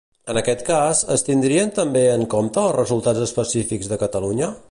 En aquest cas, es tindrien també en compte els resultats específics de Catalunya?